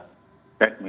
kemudian kita cek